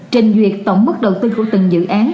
trình duyệt tổng mức đầu tư của từng dự án